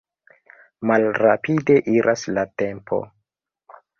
Malrapide iras la tempo.